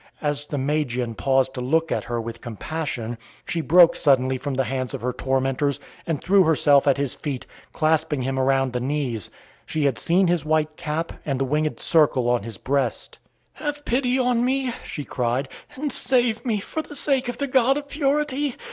As the Magian paused to look at her with compassion, she broke suddenly from the hands of her tormentors, and threw herself at his feet, clasping him around the knees. She had seen his white cap and the winged circle on his breast. [Illustration: "THE OLD MAN FOLLOWED THE MULTITUDE"] "Have pity on me," she cried, "and save me, for the sake of the God of Purity!